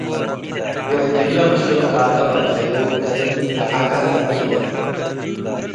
ወእግለ ምስሉ ትቃተ መለሀዩ፤ “ገድም ለሓከ ሀበኒ ተ።